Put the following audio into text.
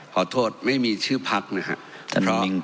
ขอโทษไม่มีชื่อพักนะครับ